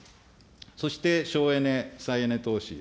そして省エネ・再エネ投資。